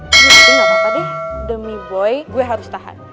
tapi gapapa deh demi boy gue harus tahan